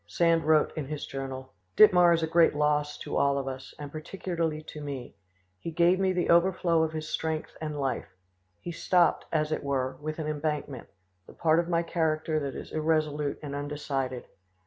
Sand wrote in his journal: "Dittmar is a great loss to all of us, and particularly to me; he gave me the overflow of his strength and life; he stopped, as it were, with an embankment, the part of my character that is irresolute and undecided.